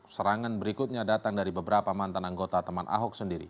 serangan berikutnya datang dari beberapa mantan anggota teman ahok sendiri